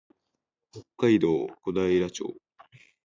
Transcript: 北海道小平町